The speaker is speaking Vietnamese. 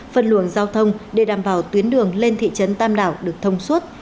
phân luồng giao thông để đảm bảo tuyến đường lên thị trấn tam đảo được thông suốt